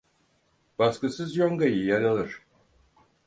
Baskısız yongayı yel alır.